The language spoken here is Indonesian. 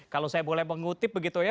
kalau saya boleh mengutip begitu ya